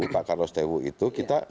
pak carlos tehu itu kita